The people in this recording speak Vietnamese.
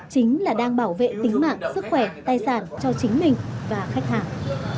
chính là đang bảo vệ tính mạng sức khỏe tài sản cho chính mình và khách hàng